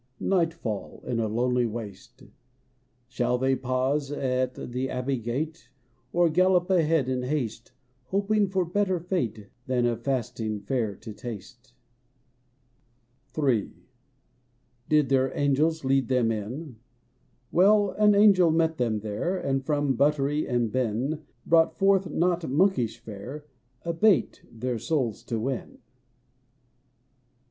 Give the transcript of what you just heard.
Nightfall in a lonely waste : Shall they pause at the abbey gate, Or gallop ahead in haste Hoping for better fate Than of fasting fare to taste? III. Did their angels lead them in? Well, an angel met them there, And from buttery and bin Brought forth — not monkish fare — A bait, their souls to win.